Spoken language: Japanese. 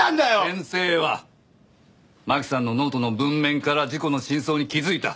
先生は真希さんのノートの文面から事故の真相に気づいた。